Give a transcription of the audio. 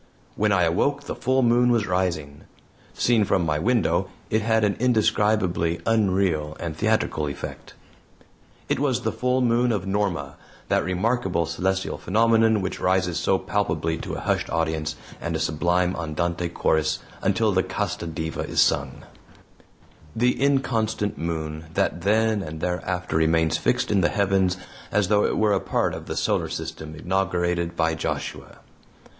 When I awoke the full moon was rising. Seen from my window, it had an indescribably unreal and theatrical effect. It was the full moon of NORMA that remarkable celestial phenomenon which rises so palpably to a hushed audience and a sublime andante chorus, until the CASTA DIVA is sung the "inconstant moon" that then and thereafter remains fixed in the heavens as though it were a part of the solar system inaugurated by Joshua.